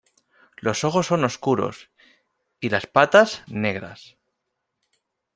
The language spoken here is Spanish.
Los ojos son oscuros y las patas, negras.